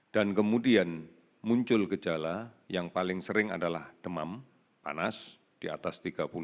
dan kemudian muncul gejala yang paling sering adalah demam panas di atas tiga puluh delapan